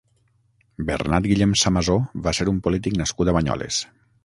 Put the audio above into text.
Bernat Guillem Samasó va ser un polític nascut a Banyoles.